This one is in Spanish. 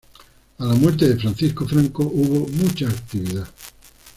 A la muerte de Francisco Franco hubo mucha actividad.